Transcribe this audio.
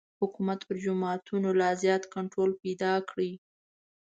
حکومت پر جوماتونو لا زیات کنټرول پیدا کړي.